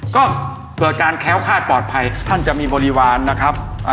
ก็เกิดการแค้วคาดปลอดภัยท่านจะมีบริวารนะครับ